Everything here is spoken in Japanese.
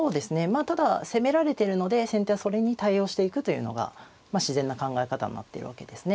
まあただ攻められてるので先手はそれに対応していくというのが自然な考え方になっているわけですね。